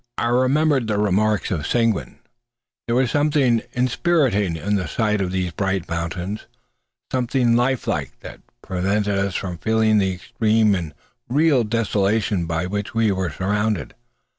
I remembered the remarks of Seguin. There was something inspiriting in the sight of these bright mountains; something life like, that prevented us from feeling the extreme and real desolation by which we were surrounded.